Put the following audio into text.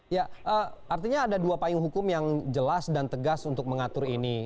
ya artinya ada dua payung hukum yang jelas dan tegas untuk mengatur ini